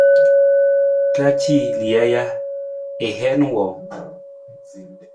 Ra ci lija ja, ng heen wang?